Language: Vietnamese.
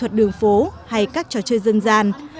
thuật đường phố hay các trò chơi dân gian